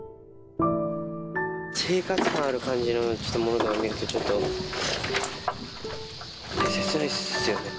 生活感ある感じのちょっとものとか見ると、ちょっと切ないですよね。